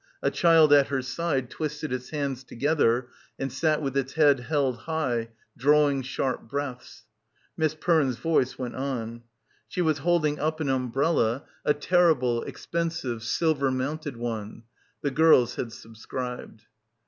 A child at her side twisted its hands together and sat with its head held high, drawing sharp breaths. Miss Perne's voice went on. She was holding up an — 292 — BACKWATER umbrella, a terrible, expensive, silver mounted one. The girls had subscribed.